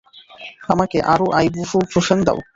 আমাকে আরো আইবুপ্রোফেন দাও।